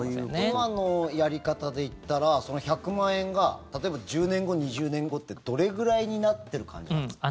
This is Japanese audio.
今のやり方でいったらその１００万円が例えば１０年後、２０年後ってどれぐらいになってる感じなんですか。